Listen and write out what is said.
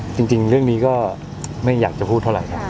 จริงเรื่องนี้ก็ไม่อยากจะพูดเท่าไหร่